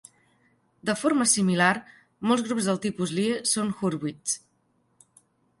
De forma similar, molts grups del tipus Lie són Hurwitz.